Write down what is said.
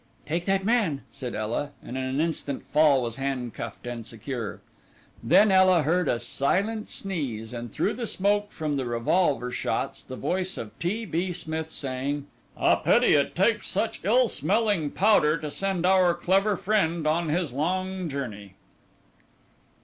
"Take that man," said Ela, and in an instant Fall was handcuffed and secure. Then Ela heard a silent sneeze and through the smoke from the revolver shots the voice of T. B. Smith, saying: "A pity it takes such ill smelling powder to send our clever friend on his long journey."